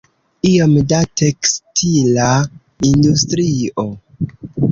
Iom da tekstila industrio.